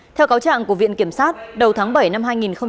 theo cáo trạng của viện kiểm sát đầu tháng bảy năm hai nghìn một mươi bảy